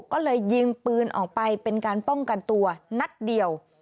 ก็เลยยิงปืนออกไปเป็นการป้องกันตัวนัดเดียว